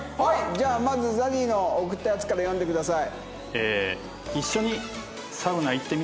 じゃあまずＺＡＺＹの送ったやつから読んでください。